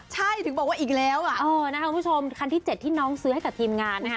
ใช่ถึงบอกว่าอีกแล้วอ่ะเออนะครับคุณผู้ชมคันที่เจ็ดที่น้องซื้อให้กับทีมงานนะฮะ